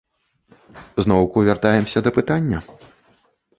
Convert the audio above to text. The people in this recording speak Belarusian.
Зноўку вяртаемся да пытання?